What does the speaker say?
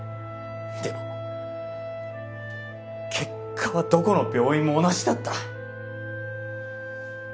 でも結果はどこの病院も同じだった。